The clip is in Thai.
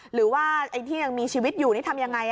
หรือว่าไอ้ที่ยังมีชีวิตอยู่นี่ทำยังไง